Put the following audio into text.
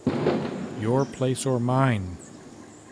Your Place or Mine!